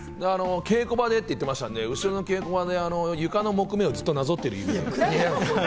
稽古場でって言ってたんで、後ろの稽古場で床の木目をずっとなぞっている。